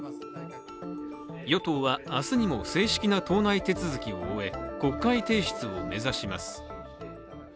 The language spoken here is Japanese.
与党は明日にも正式な党内手続きを終え、国会提出を目指します。